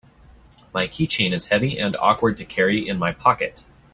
My keychain is heavy and awkward to carry in my pocket.